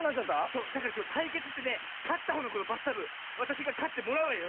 そうだからたいけつしてねかったほうがこのバスタブわたしがかってもらうわよ。